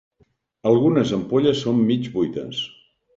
Algunes ampolles són mig buides.